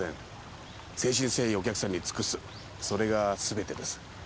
誠心誠意お客さんに尽くすそれがすべてです。